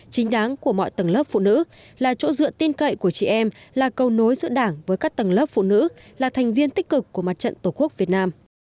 chính đáng của mọi tầng lớp phụ nữ là chỗ dựa tin cậy của chị em là câu nối giữa đảng với các tầng lớp phụ nữ là thành viên tích cực của mặt trận tổ quốc việt nam